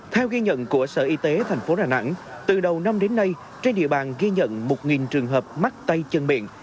theo ghi nhận của sở y tế tp đà nẵng từ đầu năm đến nay trên địa bàn ghi nhận một trường hợp mắc tay chân miệng